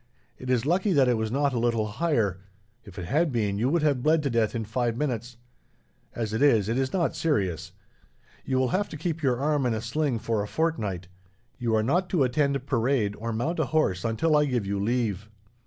"It is lucky that it was not a little higher. If it had been, you would have bled to death in five minutes. As it is, it is not serious. You will have to keep your arm in a sling for a fortnight. You are not to attend parade, or mount a horse, until I give you leave."